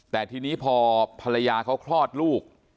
แต่ทีนี้พอภรรยาเขาคลอดลูก